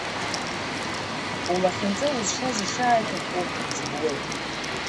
Улахьынҵа узшаз ишааиҭаху иӡбуеит.